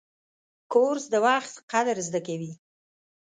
کورس د وخت قدر زده کوي.